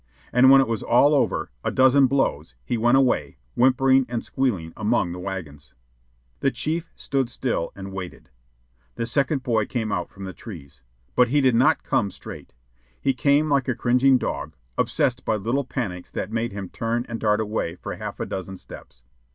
And when it was all over a dozen blows he went away, whimpering and squealing, among the wagons. The chief stood still and waited. The second boy came out from the trees. But he did not come straight. He came like a cringing dog, obsessed by little panics that made him turn and dart away for half a dozen steps.